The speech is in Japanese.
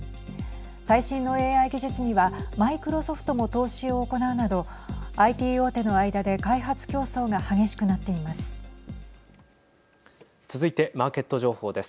最新のＡＩ技術にはマイクロソフトも投資を行うなどＩＴ大手の間で開発競争が激しくなっています。